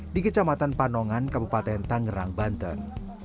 di kecamatan panongan kabupaten tangerang banten